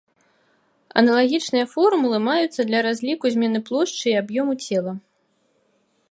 Аналагічныя формулы маюцца для разліку змены плошчы і аб'ёму цела.